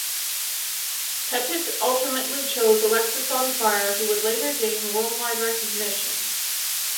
Pettit ultimately chose Alexisonfire who would later gain worldwide recognition.